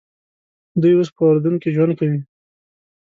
دوی اوس په اردن کې ژوند کوي.